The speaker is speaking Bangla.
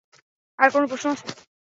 আর কোনো প্রশ্ন আছে?